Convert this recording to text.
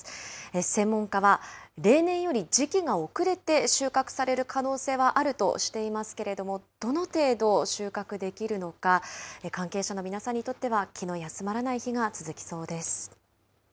専門家は、例年より時期が遅れて収穫される可能性はあるとしていますけれども、どの程度、収穫できるのか、関係者の皆さんにとっては気の休まらない日が続きそうです。